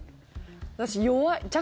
私、弱い、弱。